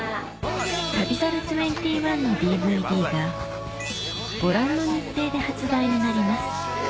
『旅猿２１』のＤＶＤがご覧の日程で発売になります